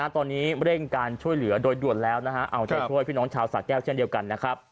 ตอนนี้เร่งการช่วยเหลือโดยด่วนแล้วเอาใจช่วยพี่น้องชาวสาแก้วเช่นเดียวกันนะครับ